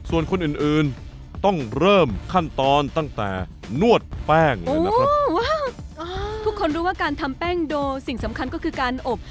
ส่วนคนอื่นอื่นต้องเริ่มขั้นตอนตั้งแต่นวดแป้งเลยนะครับทุกคนรู้ว่าการทำแป้งโดสิ่งสำคัญก็คือการอบ